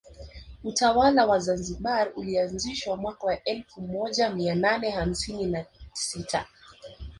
Utawala wa Zanzibar ulianzishwa mwaka wa elfu moja mia nane hamsini na sita